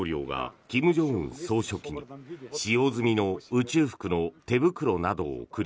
プーチン大統領が金正恩総書記に使用済みの宇宙服の手袋などを贈り